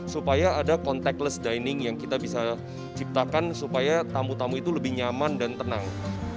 supaya ada contactless dining yang kita bisa ciptakan supaya tamu tamu itu lebih nyaman dan tenang